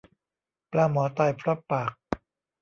ปลาหมอตายเพราะปาก